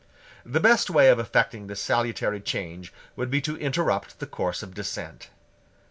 The best way of effecting this salutary change would be to interrupt the course of descent.